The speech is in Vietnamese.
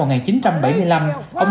ông tham gia các đoàn hát